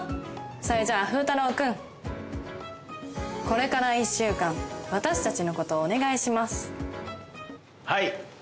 それじゃフータロー君これから一週間私たちのことをお願いします